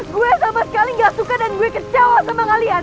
gue sama sekali gak suka dan gue kecewa sama kalian